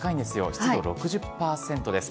湿度６０％です。